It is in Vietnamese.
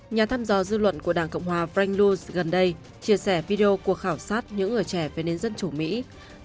nhà thăm dò dư luận của đảng cộng hòa frank lux gần đây chia sẻ video của khảo sát những người trẻ về nền dân chủ mỹ